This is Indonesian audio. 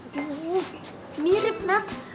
duh mirip nak